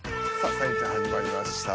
沙莉ちゃん始まりました。